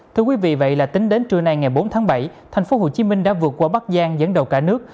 thưa quý vị tính đến trưa nay ngày bốn tháng bảy thành phố hồ chí minh đã vượt qua bắc giang dẫn đầu cả nước